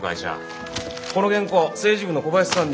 この原稿政治部の小林さんに。